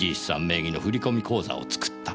名義の振込口座を作った。